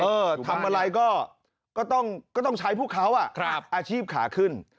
ทำอะไรก็ต้องใช้พวกเขาอาชีพขาขึ้น